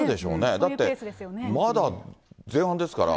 だって、まだ前半ですから。